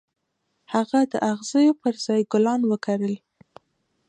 هغه د اغزيو پر ځای ګلان وکرل.